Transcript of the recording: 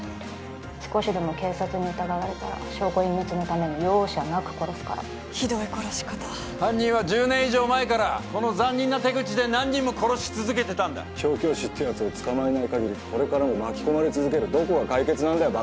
少しでも警察に疑われたら証拠隠滅のために容赦なく殺すからひどい殺し方犯人は１０年以上前からこの残忍な手口で何人も殺し続けてたんだ調教師ってやつを捕まえない限りこれからも巻き込まれ続けるどこが解決なんだよ